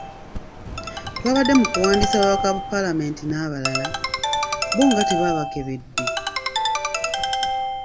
Twabadde mu kuwandiisa babaka ba palamenti n'abalala, bo nga tebaabakebedde?